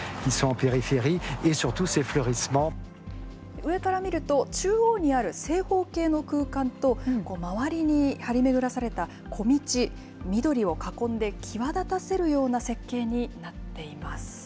上から見ると、中央にある正方形の空間と、周りに張り巡らされた小道、緑を囲んで際立たせるような設計になっています。